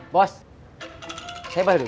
bos saya baru duduk